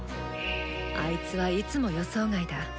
あいつはいつも予想外だ。